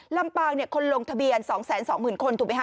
ลำปางเนี่ยคนลงทะเบียน๒๒๐๐๐๐คนถูกมั้ยฮะ